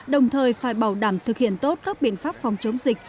đồng thời phải bảo đảm thực hiện tốt các biện pháp phòng chống dịch